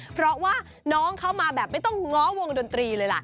เพราะว่าน้องเข้ามาแบบไม่ต้องง้อวงดนตรีเลยล่ะ